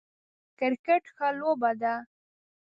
کرکټ ښه لوبه ده